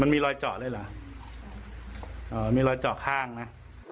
มันมีรอยเจาะเลยเหรอมีรอยเจาะข้างนะ